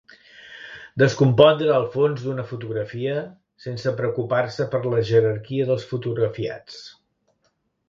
Descompondre el fons d'una fotografia sense preocupar-se per la jerarquia dels fotografiats.